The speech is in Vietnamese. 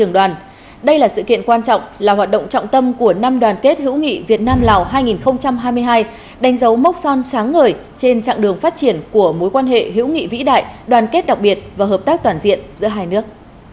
đây là sự kiện quan trọng là hoạt động trọng tâm của năm đoàn kết hữu nghị việt nam lào hai nghìn hai mươi hai đánh dấu mốc son sáng ngời trên trạng đường phát triển của mối quan hệ hữu nghị vĩ đại đoàn kết đặc biệt và hợp tác toàn diện giữa hai nước